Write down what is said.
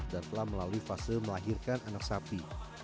dan telah melalui fase melahirkan anak sapi